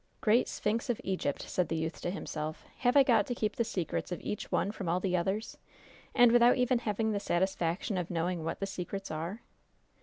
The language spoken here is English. "Great Sphinx of Egypt!" said the youth to himself. "Have I got to keep the secrets of each one from all the others? And without even having the satisfaction of knowing what the secrets are?"